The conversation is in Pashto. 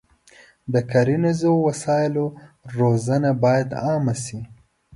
د کرنیزو وسایلو روزنه باید عامه شي.